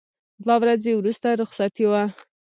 دوه ورځې وروسته رخصتي وه.